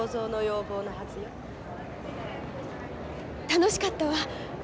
楽しかったわ。